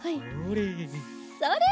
それ！